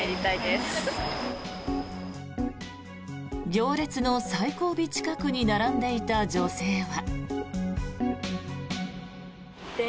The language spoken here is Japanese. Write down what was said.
行列の最後尾近くに並んでいた女性は。